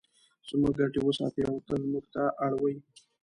زموږ ګټې وساتي او تل موږ ته اړ وي.